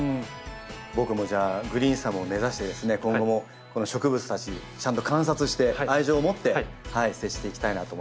僕もじゃあグリーンサムを目指してですね今後もこの植物たちちゃんと観察して愛情を持って接していきたいなと思います。